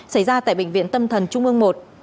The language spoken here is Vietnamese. xảy ra tại bệnh viện tâm thần trung ương i